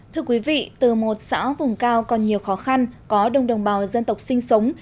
thưa quý vị từ một xã vùng cao còn nhiều khó khăn có đông đồng bào dân tộc sinh sống